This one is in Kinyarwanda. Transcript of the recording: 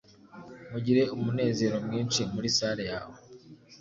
Mugire umunezero mwinshi muri salle yawe